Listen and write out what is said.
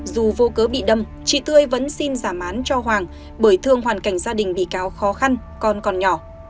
dù vô cớ bị đâm chị tươi vẫn xin giả mán cho hoàng bởi thương hoàn cảnh gia đình bị cáo khó khăn con còn nhỏ